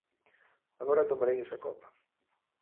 Agora tomarei esa copa.